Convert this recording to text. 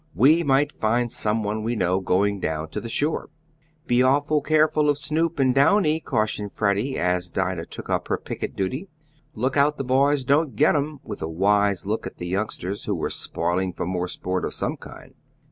"We might find someone we know going down to the shore." "Be awful careful of Snoop and Downy," cautioned Freddie, as Dinah took up her picket duty. "Look out the boys don't get 'em," with a wise look at the youngsters, who were spoiling for more sport of some kind.